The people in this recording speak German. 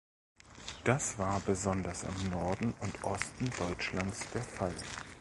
Das war besonders im Norden und Osten Deutschlands der Fall.